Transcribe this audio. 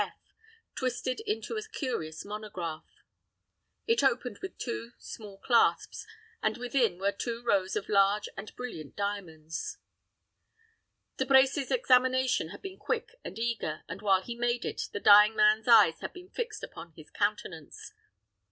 S. F. twisted into a curious monograph. It opened with two small clasps, and within were two rows of large and brilliant diamonds. De Brecy's examination had been quick and eager, and while he made it, the dying man's eyes had been fixed upon his countenance.